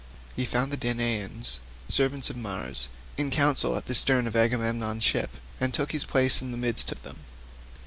He found the Danaans, servants of Mars, in council at the stern of Agamemnon's ship, and took his place in the midst of them.